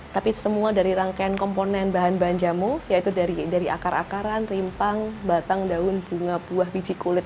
tapi semua dari rangkaian komponen bahan bahan jamu yaitu dari akar akaran rimpang batang daun bunga buah biji kulit